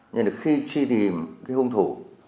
nhưng khi truy tìm cái hung thủ